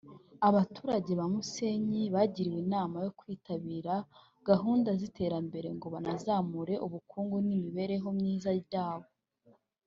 Abaturage ba Musenyi bagiriwe inama yo kwitabira gahunda z’iterambere ngo banazamure ubukungu n’ imibereho myiza byabo